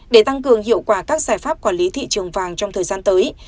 để tăng cường hiệu quả các giải pháp quản lý thị trường vàng trong thời gian tới